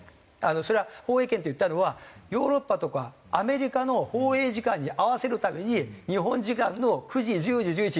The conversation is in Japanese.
それは「放映権」って言ったのはヨーロッパとかアメリカの放映時間に合わせるために日本時間の９時１０時１１時夜ですよ。